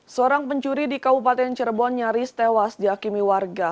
seorang pencuri di kabupaten cirebon nyaris tewas dihakimi warga